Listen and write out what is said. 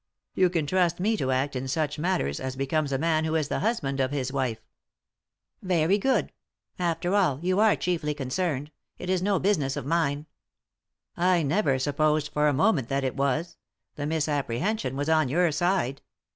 You can trust me to act, in such matters, as becomes a man who is the husband of his wife." " Very good. After all, you are chiefly concerned. It is no business of mine." " I never supposed for a moment that it was ; the misapprehension was on your side."